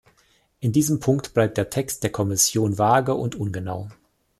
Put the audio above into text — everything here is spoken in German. In diesem Punkt bleibt der Text der Kommission vage und ungenau.